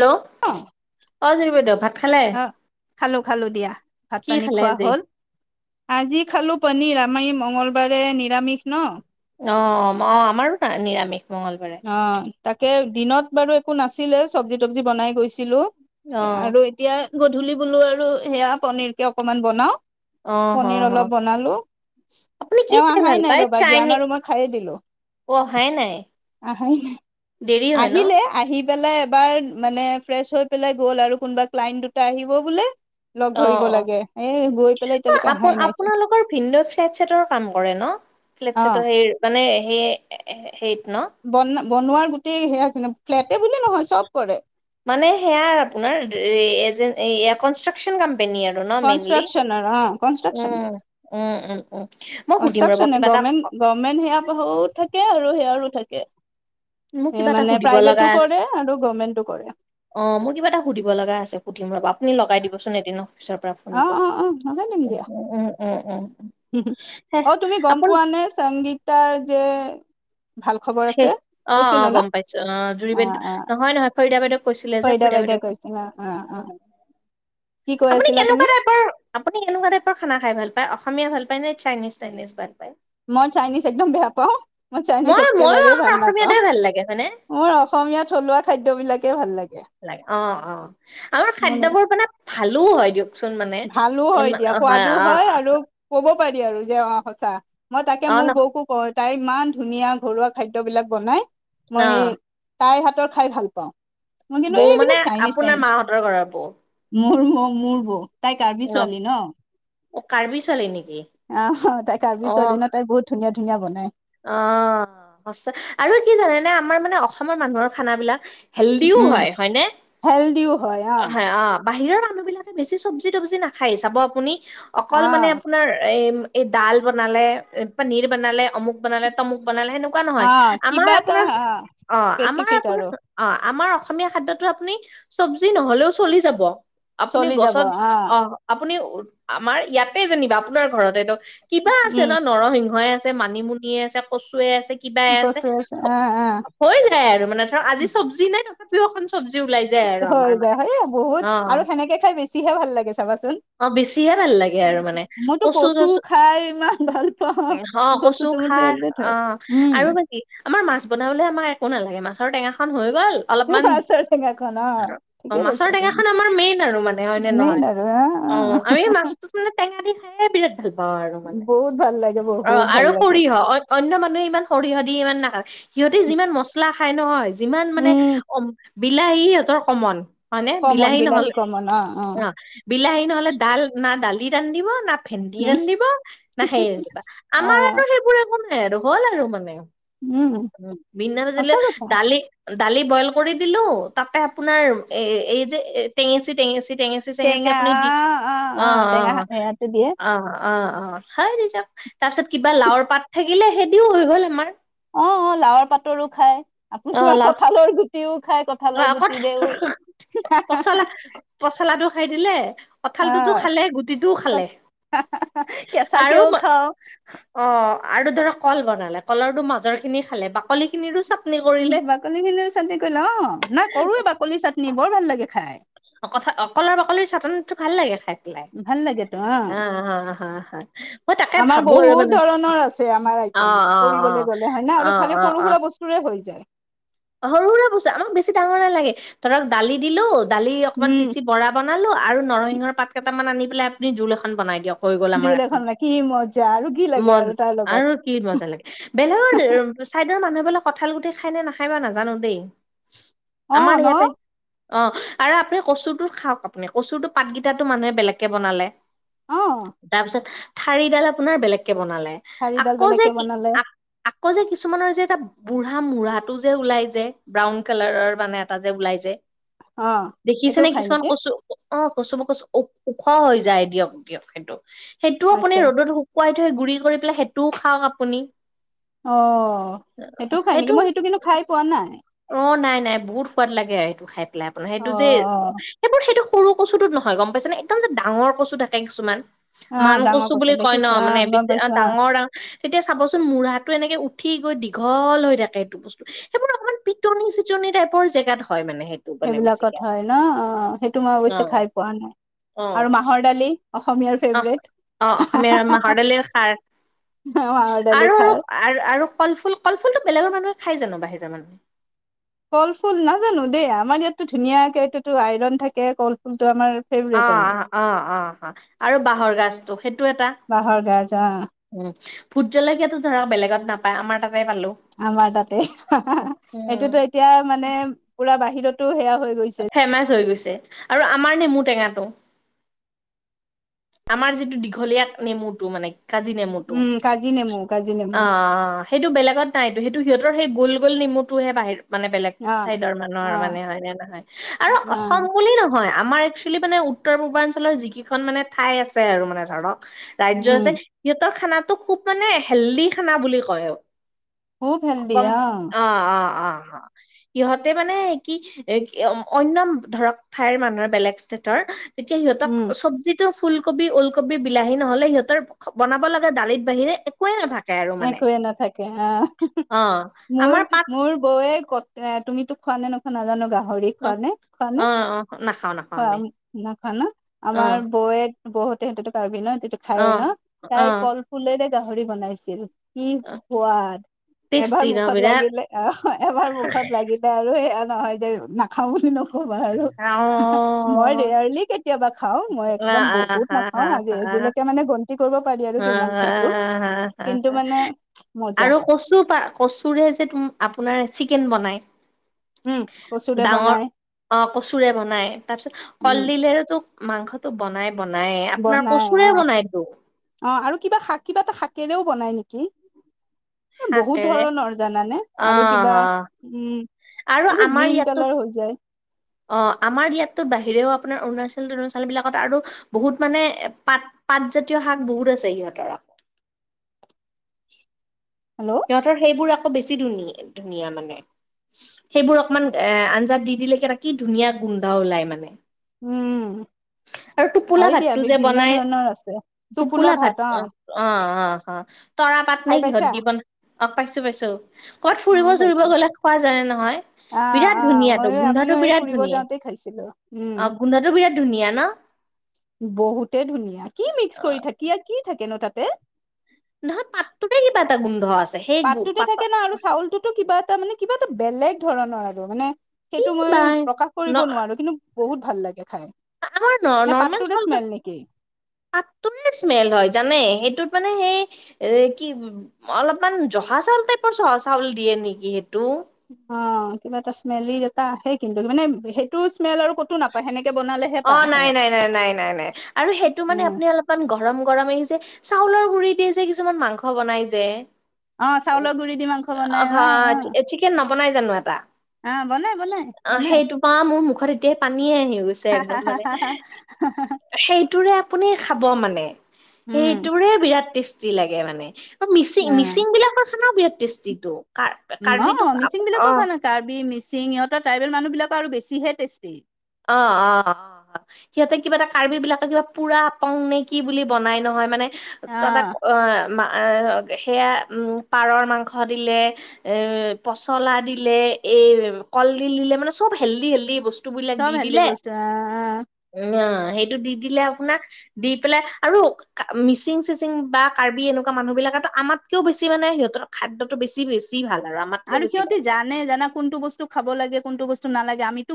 Hello অ'। অ' জুৰি বাইদ ভাত খালে অ' খালো খালো দিয়া ভাত কি পানী খালে খোৱা আজি হ'ল। আজি খালো পনীৰ আমাৰ ই মংগল বাৰে নিৰামিষ ন'। অ অ আমাৰো ন নিৰামিষ মঙলবাৰে অ তাকে দিনত বাৰু একো নাছিলে চবজি তবজি বনাই গৈছিলো অ আৰু এতিয়া গধূলি বোলো আৰু সেয়া পনিৰকে অকনমান বনাও অ হ পনিৰ হ অলপ বনালো আপুনি এ কি খাই আহাই ভাল নাই পায় ৰ' ভাগিয় চাইনি আনৰ ৰৰুম খাই দিলিলো অ অহাই নাই আহ দেৰি হয় ন আহিলে আহ াই এবাৰ মানে ফ্ৰে হৈ পেলাই গ'ল আৰু কোনোবা ক্লাইট দুটা আহিব বোলে লগ অ ধৰিব লাগে এ গৈ পেলাই অ এতিয়ালৈকে আপ অহাই নাইচোন আপোনালোকৰ ভিন্দ ফ্লেট চছেটৰ কাম কৰে ন ফ্লে অ ছত হ মানে হে হেই বন বনোৱাৰ গোটেই সেয়া ফ্লেটে বুলি নহয় চব কৰে মানে সেয় আপোনাৰন কনষ্ট্ৰাকচনৰ অ কনষ্ট্ৰাকচন [inaudible] গে গভমেন্ট সেয়া থাকে আৰু সেয়াৰো থাকে মোক এ কিবা এটা মানে সুধিব প্ৰাইভেটো লগা আছে কৰে আৰু গভমেন্টো কৰে অ মোৰ কিবা এটা সুধিব লগা আছে সুধিম ৰব আপুনি লগাই দিবচোন এদিন চাৰ পৰা অ ফোনটো অ অ লগাই দিম উ দিয়া। উম উম উম উ অ তুমি গম পোৱা নে সংগীতাৰ যে ভাল খবৰ সেই আছে অ অ কৈছিলো গম ন পাইছো অ জুৰি অ বাইদেউ অ নহয় নহয় ফৰিদা বাইদেউক কৈছিলে যে ফাইদা ফৰিদা ফাইদা বাইদেউ কৰিৈছে অ অ অ কি কৈ আপুনি আছিলা তুমি? কেনেকুৱা টাইপৰ আপুনি কেনেকুৱা টাইপৰ খানা খাই ভাল পায় আি ভাল পায় ন চাইনিজ চাইনিজ ভাল পায় মই চাইনিজ একদম বেয়া পাওঁ মই চাইনিজ ময়ো একেবাৰেেই আমাৰ ভাল নাপাওঁ অসমীয়াটোৱে ভাল লাগে হয়নে মোৰ অসমীয়া থলুৱা খাদ্যবিলাকেই ভাল লাগে অ আমাৰ মোৰ খাদ্যবোৰ মানে ভালো হয় দিয়ক ভালো হয় এ দিয়া সোৱাদো হয় আৰু ক'ব দে আৰু যে অ সঁচা মই তাকে অ ন মোৰ বৌকো ক তাই ইমান ধুনীয়া ঘৰুৱা খাদ্যবিলাক বনাই মই অ সেই তাইৰ হাতৰ খাই ভাল পাওঁ বৌ মানে এইবিলাক চাইনিজ চাই আপোনাৰ মাহঁতৰ ঘৰৰ বৌ মোৰ ম মোৰ বৌ তাই কাৰ্বি অ ছোৱালী ন অ কাৰ্বি ছোৱালী নেকি আহ তাই কাৰ্বি অ ছোৱালী ন তাই বহুত ধুনীয়া ধুনীয়া বনাই অ সচা আৰু কি জানে নে আমাৰ মানে অসমৰ মানুহৰ খানাবিলাক হেল্ডিও উম হয় হয়নে হয় অ বাহিৰৰ মানুহ বিলাকে বেছি চবজি তবজি নাখায় চাব আপুনি অকল অ মানে আপোনাৰ এ এই ডাল বনালে পনীৰ বনালে অমুক বনালে তমুক সেনেকুৱা নহয় অ আমাৰ কিবা আ এটা অ অ আমাৰ আ স্পেচিফিক আৰু অ আমাৰ অসমীয়া খাদ্যতো আপুনি চবজি নহলেও চলি যাব আপুনি চলি যাব গছত অ আপুনি আমাৰ ইয়াতে যেনিবা আপোনাৰ ঘৰতেতো কিবা আছে উম ন' নৰসিংহই আছে মানিমুনিয়ে আছে কচুৱে আছে কিবাই আছে কচু অ অ হৈ যায় আৰু মানে ধৰা আজি চবজি নাই তথাপিও অক হৈ যায় বহুত অ', আৰু সেনেকে খাই বেছিহে ভাল লাগে চাবাচোন। অ' বেছিহে ভাল লাগে আৰু মানে মইতো কচু চচু খাই ইমান ভাল পাওঁ। অ' কচু কচুটো মোৰ খাৰ ফেভৰেট হয়। অ' উম, আৰু বাক কি আমাৰ মাছ বনাবলে আমাৰ একো নালাগে মাছৰ টেঙা খন হৈ অলপ মাছৰ টেঙা খন অ'। ঠিকে অ' মাছৰ কৈছা তুমি, টেঙাখন আমাৰ মেইন আৰু মানে হয়নে মেইন নহয়। আৰু হা অ আমি মাছটোত মানে টেঙা দি খাইে বিৰাট ভাল পাওঁ আৰু মানে বহুত ভাল লাগে অ বহুত ভাল আৰু লাগে। সৰিয়হ অ অন্য মানুহে ইমান সৰিয়হ ইমান নাখায় সিহঁতে যিমান মচলা খায় নহয় যিমান মানে উম, অ বিলাহী সিহঁতৰ কমন হয় নে বিলাহী নহ'লে অ বিলাহী নহ'লে না দালি ৰান্ধিব না ভেটি উম, ৰান্ধিব না সেই ৰান্ধিবা আমাৰ অ', আৰু সেইবোৰ একো নাই আৰু হ'ল আৰু মানে উম, বিনা ভজিলে সঁচা কথা। দালি দালি বইল কৰি দিলো তাতে আপোনাৰ এ এই যে এ টেঙেচি টেঙেচি টেঙেচি চেঙেচি টেঙা আপুনি দি অ', অ', টেঙা অ', সেয়াটো দিয়ে। অ'। অ', অ', হয় দি যাও তাৰপিছত কিবা লাওৰ পাত থাকিলে হেদিও হৈ গ'ল আমাৰ। অ', অ', লাওৰ পাতৰো খাই আপুনি অ তমাৰ লাও কঁঠালৰ গুটিও খাই কঁঠালৰ কঠ গুটিৰেও পচলা পচলাটো খাই দিলে কঁঠালটোতো খালে গুটিটোও খালে। কেঁচা আৰু কেও খাও। অ' আৰু ধৰা কল বনালে কলৰটো মাজৰ খিনি খালে বাকলি খিনিৰো চ বাকলিখিনি চাটনি কৰিলে অ' না কৰোৱে বাকলি চাটনি বৰ ভাল লাগে খাই। অ' কথা অকলৰ বাকলিৰ চাটনতো ভাল লাগে খাই। ভাল লাগেতো অ' হা হা হা মই তাকে আমাৰ ভাবো আৰু বহুত মানে ধৰণৰ আছে আমাৰ অ', আইটেম অ', কৰিবলৈ অ', গ'লে হয় ন আৰু অ', খালি অ', সৰু অ'। সুৰা বস্তুৰে হৈ যায় সৰু সুৰা বজা আমাক বেছি ডাঙৰ নালাগে ধৰা দালি দিলো দালি অকণমান উম পিচি বৰা বনালোঁ আৰু নৰসিংহৰ পাত কেইটামান আনি পেলাই আপুনি জোল এখন বনাই দিয়ক। হৈ গল আমাৰ জোল এখন ল কি মজা আৰু কি লাগে মজ আৰু তাৰ লগত আৰু কি মজা লাগে, বেলেগৰ চাই ৰ মানুহ বেলে কঁঠাল গুটি খাই নে নাখায় বা নাজানো দেই, অ আমাৰ ন ইয়াতে অ' আৰু আপুনি কচুটো খাওক আপুনি কচুটো পাতকেইটা মানুহে বেলেগকে বনালে। অ তাৰপিছত ঠাৰিডাল আপোনাৰ বেলেগ বনালে ঠাৰিডাল আকৌ যে বেলেগকে বনালে আক-আকৌ যে কিছুমানৰ যে এটা বুঢ়া মুৰা টো যে ওলাই যে ব্ৰাউন কালাৰৰ মানে এটা যে ওলাই যে। অ দেখিছে সেইটোও নে খাই কিছুমান নেকি কচু অ' কচু মই কচু অক ওখ হৈ যায় দিয়ক দিয়ক সেইটো, সেইটোও আচ্ছা আপুনি ৰ'দত শুকুৱাই থৈ গুৰি কৰি পেলাই তটো খাওক আপুনি। অ' সেইটোও খাই নেকি মই সেইটো কিন্তু খাই পোৱা নাই। অ' নাই নাই বহুত সোৱাদ লাগে আৰু সেইটো খাই পেলাই আপোনাৰ অ সেইটো যে অ সেইবোৰ সেইটো সৰু কচুটোত নহয় গম পাইছে নে একদম যে ডাঙৰ কচু থাকে কিছুমান। অ মান ডাঙৰ কচু বুলি কয় ন' দেখিছো অ মানে গম পাইছো অ ডাঙৰ ডাঙ তেতিয়া চাবচোন মঢ়াটো এনেকে উঠি গৈ দীঘল হৈ থাকে এইটো বস্তু সেইবোৰ অকমান পিটনি চিটনি টাইপৰ জেগাত হয় মানে। সেইটো মানে সেইবিলাকত বেছিকে হয় ন' অ' সেইটো মই অ অৱশ্যে খাই পোৱা নাই, অ আৰু মাহৰ দালি অসমীয়াৰ অ ফেভৰেট। অ' অসমীয়া মাহৰ দালিৰ খাৰ মাহৰ দালি আৰু খাৰ আৰু আৰু কলফুল কল ফুল টো বেলেগৰ মানুহে খাই জানো বাহিৰা মানুহে। কল ফুল নাজানো দেই আমাৰ ইয়াতো ধুনীয়াকে এইটোতো আইৰন থাকে কল ফুল। অ' অ' অ' অ' অ' আৰু বাঁহৰ গাজটো সেইটো এটা। বাঁহৰ গাজ অ উম ভুট জলকীয়াাতটো ধৰা বেলেগত নাপায় আমাৰ তাত আমাৰ তাতে উম সেইটোতো এতিয়া মানে পুৰা বাহিৰতো সেয়া হৈ গৈছে ফেমাচ হৈ গৈছে আৰু আমাৰ নেমু টেঙাটো। আমাৰ যিটো দীঘলীয়া নেমুটো মানে। কাজি নেমুতটো উম কাজি নেমু কাজি নেমু অ' সেইটো বেলেগত নাইতো সেইটো সিহঁত ৰ সেই গল গল নমুটোহে বাহিৰ মানে বেলেগ অ ঠাইডৰ মানুহৰ অ মানে হয় নে নহয় আৰু অসম অ বুলি নহয় আমাৰ একচেলি মানে উত্তৰ পূৰ্বাঞ্চলৰ যিকেইখন মানে ঠাই আছে আৰু মানে ধৰক। ৰাজ্য় আ উম যে সিহঁতৰ খানাটো খুব মানে হেল্ডি খানা বুলি কয়। খুব হেল্ডি গম অ', অ', অ'। সিহঁতে মানে কি এক-ইয়ম-অইন্নম ধৰক ঠাইৰ মানুহৰ বেলেগ ষ্টেটৰ তেতিয়া সিহঁতক উম চবজিত ফুলকবি, ওলকবি, বিলাহী নহ'লে সিহঁতৰ বনাব লগে দালিত বাহিৰে একোৱে নাথাকে। আৰু মানে একোৱে নাথাকে আহ অ মোৰ আমাৰ পাত মোৰ বৌয়ে ক এ তুমি খোৱা নখোৱা নাজানো গা হৰি অ খোৱা নে খোৱা নে? অ অ নাখাও নাখাও খোৱা আমি ন খোৱা না অ আমাৰ বৌয়ে বহুতে হেটোটো কৰ্বিনৈ এইটো অ খায়ে ন' অ তাই কল ফুলেৰে গাহৰি বনাইছিল। কি খুৱাদ। এবাৰ টেষ্টি ন মুখত বিৰাট লাগিলে অহ এবাৰ মুখত লাগিলে আৰু সেয়া নহয় যে নাখাও বুলি নখো ক'বা আৰু অ মই ৰেয়াৰলি কেতিয়াবা খাও মই আ একদম আ বহুত হা নাখাও হা আগে। হা ে মানে গন্তি কৰিব পাৰি আৰু হা কিমান হা খাইছো। হা মানে মজা আৰু কচু পা কচুৰে যে তুম আপোনাৰ চিকেন বনাই। উম কচুৰে ডাঙৰ বনাই অ' কচুৰে বনাই তাৰপিছত উম কলডিলেৰেতো মাংসটো বনাই বনাই আপোনাৰ বনাই কচুৰে অ বনাইতো। অ আৰু কিবা শাক কিবা এটা শাকেৰেও বনাই নেকি? বহুত শাকেৰে ধৰণৰ জানানে অ আৰু কিবা অ উম আৰু এই যেয়া আমাৰ গ্ৰীন ইয়াতো কালাৰ হৈ যায়। অ' আমাৰ ইয়াতত বাহিৰেও আপোনাৰ অৰুণাচল অৰুণাচল বিলাকত আৰু বহুত মানে পাত পাতজাতীয় শাক বহুত আছে সিহঁতৰ আকৌ। হেল্ল' সিহঁতৰ সেইবোৰ আকৌ বেছি ধুন ধুনীয়া মানে সেইবোৰ অকমান এ আঞ্জাত দি দিলেকে ত কি ধুনীয়া গোন্ধ ওলাই মানে। উম। আৰু টোপোলা হয় দিয়া ভাতটো যে বিভিন্ন বনাই ধৰণৰ আছে টোপোলা ভাত অ' অ' অ'। অ' তৰা পাত নে খাই কিহত পাইছা দি বন অ 'পাইছো পাইছো। ক'ত ফুৰিব ময়ো চুৰিব পাইছো গ'লে খোৱা যায়ে নহয়। অ বিৰাট অ ধুনীয়া তটো ময়ো গোন্ধটো আমিও এই বিৰাট ফুৰিব ধুনীয়াই, যাওঁতে খাইছিলো উম অ' গোন্ধটো বিৰা ধুনীয়া ন? বহুতে ধুনীয়া কি অ মিক্স কৰি থাকি আৰু কি থাকেন তাতে? নহয় পাত্ৰতে কিবা এটা গোন্ধ আছে। সেই গো পাতটোতে পাত থাকে ন আৰু চাউলটোতো কিবা এটা মানে কিবা এটা বেলেগ ধৰণৰ আৰু মানে কি সেইটো বা মই প্ৰকাশ ন কৰিব নোৱাৰো কিন্তু বহুত ভাল লাগে খাই। আমাৰ নে নৰ্মেল পাতটোৰে চাউল, স্মেল নেকি পাতটো স্মেল হয় জানে সেইটোত মানে সেই এ কি অলপমান জহা চাউল টাইপৰ চহা চাউল দিয়ে নেকি সেই অ' কিবা এটা স্মেলি এটা আহেই কিন্তু মানে সেইটো স্মেল আৰু ক'তো নাপায় সেনেকে বনালেহে পা অ' আহে নাই নাই নাই নাই নাই নাই আৰু সেইটো মানে উম আপুনি অলপমান গৰম গৰম আহি যে চাউলৰ গুৰি দি যে কিছুমান মাংস বনাই যে। অ চাউলৰ গুৰি দি মাংস বনাই অ হা অ চিকেন নবনাই জানো এটা? অ বনাই বনাই অ' বনাই সেইটো পৰা মোৰ মুখ ি গৈ একম, মান সেই আপুনি খাব মানে উম সেইটোৰে বিৰাট টেষ্টি লাগে মানে। ত মিচিং মিচিং বিলাকৰ খানাও বিৰাট টেষ্টিটো। কাৰ্বিটো অ' মিচিং অ বিলাকৰ ভাল নে কাৰ্বি মিচিং ইহঁতৰ ট্ৰাইবেল মানুহ বিলাকৰ আৰু বেছিহে টেষ্টি। অ', অ', অ'। সিহঁতে কিবা এটা কৰ্বিবিলকে কিবা পুৰা পং নে কি বুলি বনাই নহয় মানে। অ ততে অ' সেয়া পাৰৰ মাংস দিলে পচলা দিলে এ কলডিল দিলে মানে চ'ব হেল্ডি হেল্দি বস্তু ব চব দি হেল্ডি দিলে, বস্তু অ অ না সেইটো দি দিলে আপোনাৰ দি পেলাই আৰু মিচিং চিচিং বা কাৰ্বি এনেকুৱা মানুহ বিলাক সটো আমাতকও বেনে সিহঁতৰ খাদ্যটো বেি বেছি ভাল। আমাতকেও আৰু বেছি সিহঁতি ভাল জানে জানা কোনটো বস্তু খাব লাগে কোনো বস্তু নালাগে আমিতো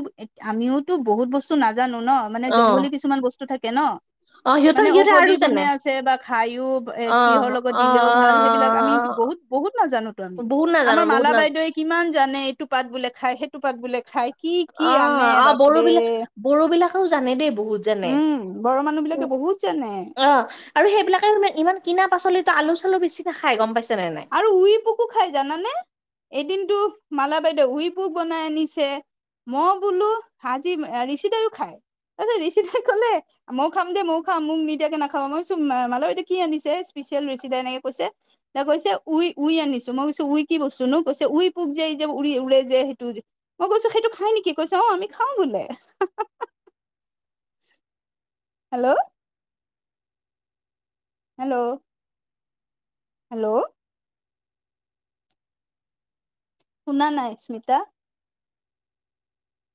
আমওো বহুত বস্তু ন নাজানো ন মানে অ জংঘলী কিছুমান বস্তু থাকে ন? অ সিহঁতৰ মানে সিহঁতে আৰু ঔষধি জানে কোনে আছে বা খাইো অ কিহৰ লগত অ অ অ দিলেও ভাল সেইবিলাক আম অ বহুত বহুত নাজানো তো আমি। বহুত নাজানো আমাৰ বহুত মালা নাজানো বাইদেৱে কিমান জানে এইটো পাত বোলে খাই সেইটো পাত বোলে খাই। কি অ' কি আনে আহ বড়ো বাপৰে বিলাক বড়ো বিলাকেও জানে দেই বহুত জানে। উম বড়ো মানুহ বিলাকে বহুত জানে অ' আৰু সেইবিলাকে ইমান কিনা পাচলিতো আলু চালু বেছি নাখাই গম পাইছ আৰু উই পুকু খাই জানানে? এদিনতটো মালা বাইদেউ উইপুক বনাই আনিছে। ম বোলো হাজি ঋষিদায়ও খায়। তছ ঋিচিতাই কলে মই খাম দে ময় খাম মোক নিদিয়াকে নাখাবা মই চুম মালবাইদ কি আনিছে ঋচিদা এনেকে কৈছে ত' কৈছে উই উই আনিছো মই কৈছো উই কি বসছো নো কৈছে উই পুক যে উৰি উৰে যে সেইটো যে মই কৈছো সটো খাই নেকি কৈছে অ' আমি খাওঁ বোলে। উ হেল্ল'। হেল্ল'। হেল্ল'। শুনা নাই স্মিতা?